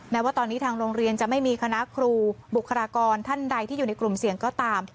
แม้ว่าตอนนี้ทางโรงเรียนจะไม่มีคณะครูบุคลากรท่านใดที่อยู่ในกลุ่มเสี่ยงก็ตาม